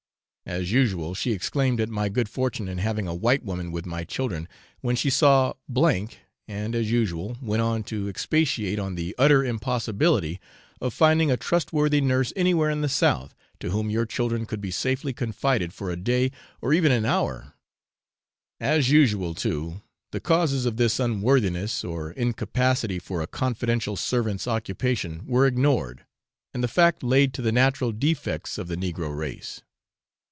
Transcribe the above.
As usual, she exclaimed at my good fortune in having a white woman with my children when she saw M , and, as usual, went on to expatiate on the utter impossibility of finding a trustworthy nurse anywhere in the South, to whom your children could be safely confided for a day or even an hour; as usual too, the causes of this unworthiness or incapacity for a confidential servant's occupation were ignored, and the fact laid to the natural defects of the negro race.